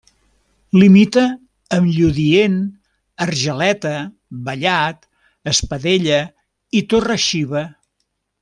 Limita amb Lludient, Argeleta, Vallat, Espadella i Torre-xiva.